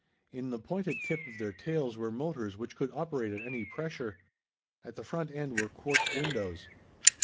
In the pointed tip of their tails were motors which could operate at any pressure. At the front end were quartz windows.